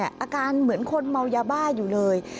อาการเหมือนคนเมายาบ้าอยู่เลย